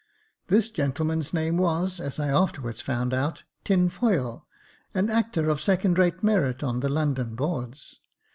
This gentleman's name was, as I afterwards found out, Tinfoil, an actor of second rate merit on the London boards.